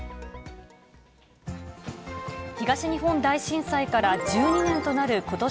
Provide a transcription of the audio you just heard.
東日本大震災から１２年となることし